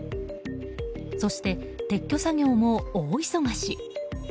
そして、撤去作業も大忙し。